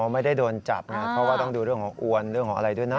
ไม่ได้โดนจับนะเพราะว่าต้องดูเรื่องของอวนเรื่องของอะไรด้วยนะ